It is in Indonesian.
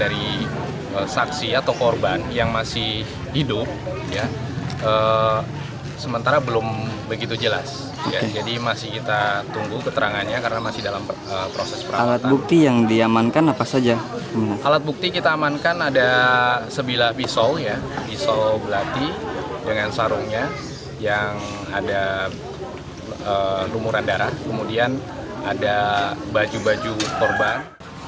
rumuran darah kemudian ada baju baju korban